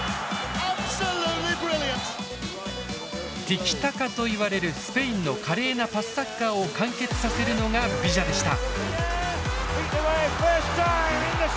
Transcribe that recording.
「ティキタカ」といわれるスペインの華麗なパスサッカーを完結させるのがビジャでした。